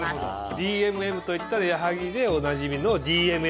ＤＭＭといったら矢作でおなじみのＤＭＭね。